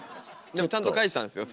でもちゃんと返したんすよ。